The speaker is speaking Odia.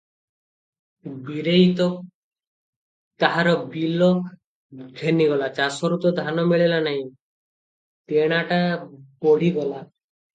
ବୀରେଇ ତ ତାହାର ବିଲ ଘେନିଗଲା, ଚାଷରୁ ତ ଧାନ ମିଳିଲା ନାହିଁ, ଦେଣାଟା ବଢ଼ିଗଲା ।